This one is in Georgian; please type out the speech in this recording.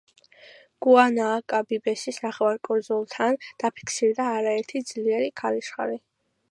გუანააკაბიბესის ნახევარკუნძულთან დაფიქსირდა არაერთი ძლიერი ქარიშხალი.